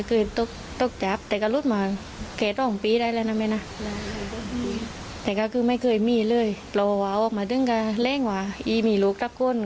ก็เหลือหน้าช่วงละทิศนะครับที่ตำรวจกำลังตามตัวอยู่นะ